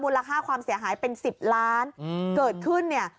ราคาความเสียหายเป็นสิบล้านเกิดขึ้นเนี่ย